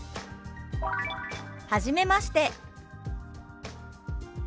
「はじめまして」。